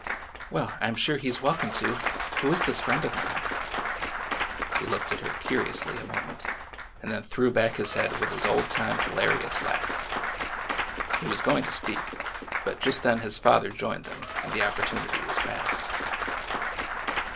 '' Well, I 'm sure he 's welcome to ! Who is this friend of mine ?" He looked at her curiously a moment, and then threw back his head with his old time hilarious laugh. He was going to speak, but just then his father joined them and the opportunity was past.